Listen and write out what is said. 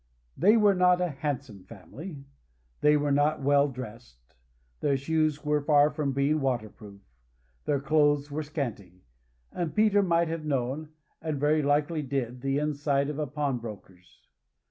They were not a handsome family; they were not well dressed; their shoes were far from being waterproof; their clothes were scanty; and Peter might have known, and very likely did, the inside of a pawnbroker's.